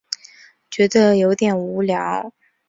觉得有点无聊